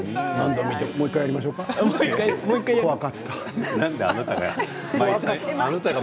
もう１回やりましょうか？